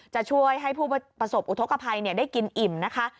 จะช่วยให้ผู้ประสบอุทธกภัยได้กินอิ่มนะคะ